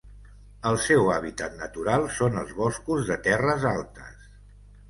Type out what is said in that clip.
El seu hàbitat natural són els boscos de terres altes.